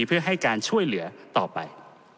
เพื่อให้การช่วยเหลือต่อไป